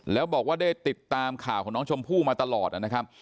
แล้วบอกว่าได้ติดตามข่าวของน้องชมพู่มาตลอดนะครับ